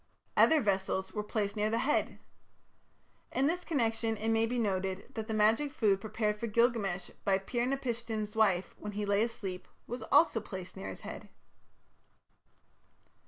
Other vessels were placed near the head. In this connection it may be noted that the magic food prepared for Gilgamesh by Pir napishtim's wife, when he lay asleep, was also placed near his head.